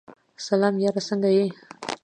سلام یاره سنګه یی ؟